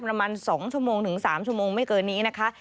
ประมาณ๒ชั่วโมงถึง๓ชั่วโมงไม่เกินนี้นะคะ